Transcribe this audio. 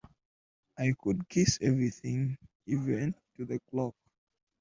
I could kiss everything, even to the clock.